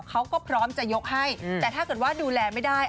เขาก็พร้อมจะยกให้แต่ถ้าเกิดว่าดูแลไม่ได้